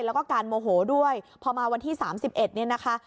แล้วก็การโมโหด้วยพอมาวันที่๓๑เนี่ยนะคะ